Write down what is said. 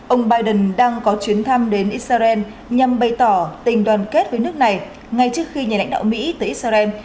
ông biden đang có chuyến thăm đến israel nhằm bày tỏ tình đoàn kết với nước này ngay trước khi nhà lãnh đạo mỹ tới israel